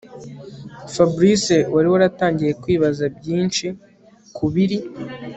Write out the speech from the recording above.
Fabric wari watangiye kwibaza byinshi kubiri